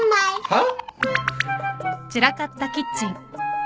はっ？